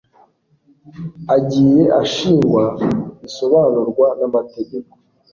agiye ashingwa bisobanurwa n amategeko